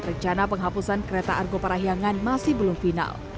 rencana penghapusan kereta argo parahyangan masih belum final